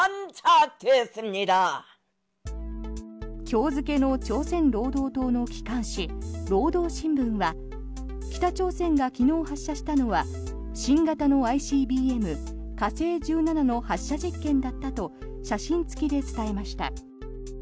今日付の朝鮮労働党の機関紙労働新聞は北朝鮮が昨日発射したのは新型のＩＣＢＭ、火星１７の発射実験だったと写真付きで伝えました。